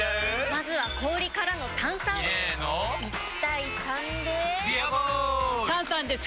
まずは氷からの炭酸！入れの１：３で「ビアボール」！